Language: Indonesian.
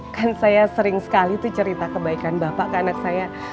kan saya sering sekali tuh cerita kebaikan bapak ke anak saya